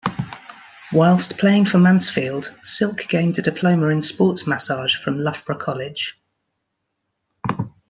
Whilst playing for Mansfield, Silk gained a diploma in sports massage from Loughborough College.